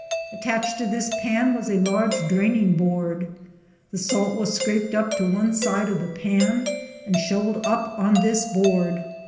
Attached to this pan was a large drain ing board ; the salt was scraped up to one side of the pan and shoveled 254 up on this board.